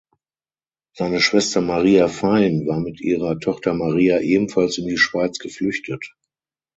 Seine Schwester Maria Fein war mit ihrer Tochter Maria ebenfalls in die Schweiz geflüchtet.